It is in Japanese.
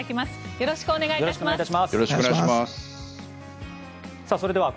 よろしくお願いします。